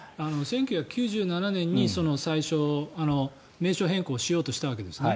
１９９７年に最初、名称変更しようとしたわけですね。